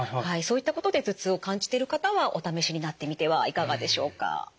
はいそういったことで頭痛を感じてる方はお試しになってみてはいかがでしょうか？